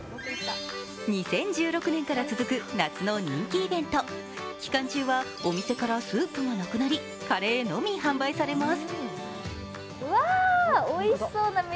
２０１６年から続く夏の人気イベント、期間中はお店からスープがなくなりカレーのみ販売されます。